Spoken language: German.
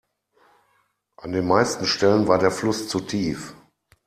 An den meisten Stellen war der Fluss zu tief.